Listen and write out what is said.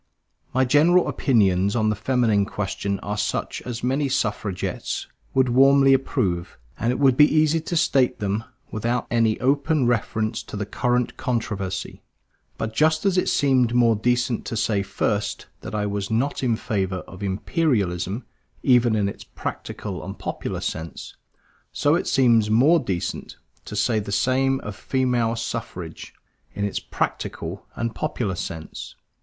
My general opinions on the feminine question are such as many suffragists would warmly approve; and it would be easy to state them without any open reference to the current controversy. But just as it seemed more decent to say first that I was not in favor of Imperialism even in its practical and popular sense, so it seems more decent to say the same of Female Suffrage, in its practical and popular sense.